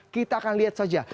kita akan lihat saja